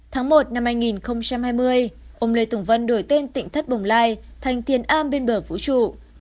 tháng một năm hai nghìn hai mươi ông lê tùng vân đổi tên tỉnh thất bồng lai thành tiền am bên bờ vũ trụ